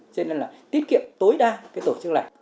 cho nên là tiết kiệm tối đa tổ chức lạnh